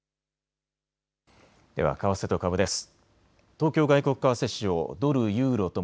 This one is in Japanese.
では為替と株です。